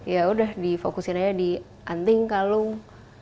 ya udah di fokusin aja di anting kalung